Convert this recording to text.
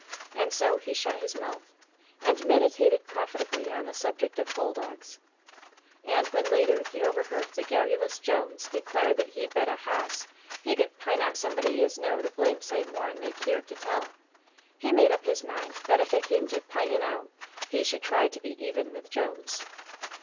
And so he shut his mouth, and meditated profitably on the subject of bull dogs. And when later he overheard the garrulous Jones declare that he'd bet a hoss he could p'int out somebody as know'd a blamed sight more'n they keerd to tell, he made up his mind that if it came to p'inting out he should try to be even with Jones.